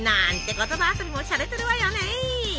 言葉遊びもしゃれてるわよね。